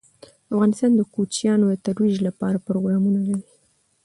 افغانستان د کوچیانو د ترویج لپاره پروګرامونه لري.